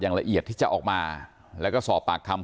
ละเอียดที่จะออกมาแล้วก็สอบปากคำ